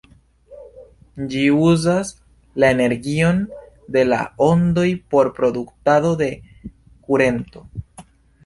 Ĝi uzas la energion de la ondoj por produktado de kurento.